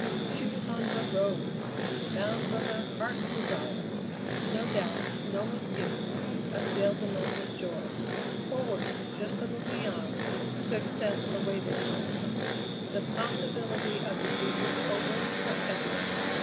She was on her Road, bound for her Heart's Desire! No doubt, no misgiving, assailed the moment of joy. Forward, just a little beyond, success awaited her. The possibility of defeat was over forever.